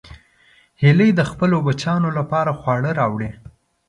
هیلۍ د خپلو بچیانو لپاره خواړه راوړي